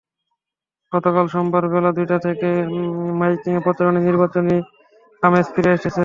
গতকাল সোমবার বেলা দুইটা থেকে মাইকিংয়ে প্রচারণায় নির্বাচনী আমেজ ফিরে এসেছে।